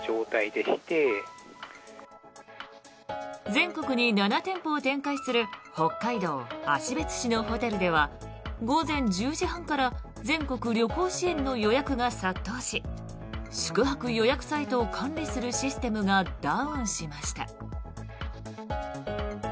全国に７店舗を展開する北海道芦別市のホテルでは午前１０時半から全国旅行支援の予約が殺到し宿泊予約サイトを管理するシステムがダウンしました。